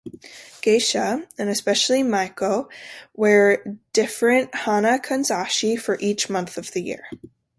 Geisha, and especially maiko, wear different hana kanzashi for each month of the year.